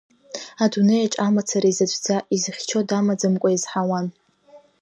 Адунеиаҿ амацара изаҵәӡа, изыхьчо дамаӡамкәа иазҳауан.